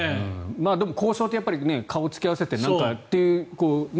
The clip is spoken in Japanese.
でも、交渉って顔を突き合わせてっていう。